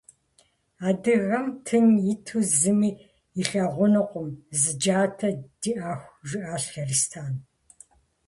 - Адыгэм тын иту зыми илъагъунукъым зы джатэ диӏэху, - жиӏащ Лэристэн.